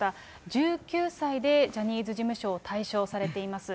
１９歳でジャニーズ事務所を退所されています。